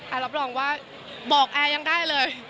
รับรองว่าบอกแอร์ยังได้เลย